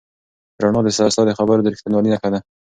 رڼا ستا د خبرو د رښتینولۍ نښه ده.